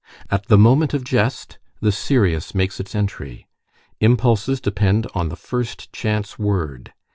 At the moment of jest, the serious makes its entry. Impulses depend on the first chance word.